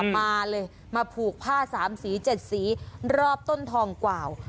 มาเลยมาผูกผ้า๓สี๗สีรอบต้นทองกว่าว